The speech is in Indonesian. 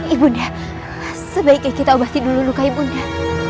ibunda sebaiknya kita obati dulu luka ibunda